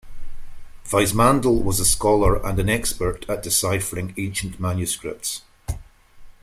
Weissmandl was a scholar and an expert at deciphering ancient manuscripts.